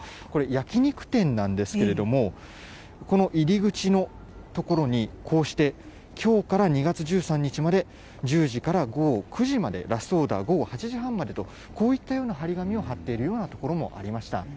これ、焼き肉店なんですけれども、この入口の所に、こうして、きょうから２月１３日まで１０時から午後９時まで、ラストオーダー午後８時半までと、こういったような張り紙を張っているようなところもありました。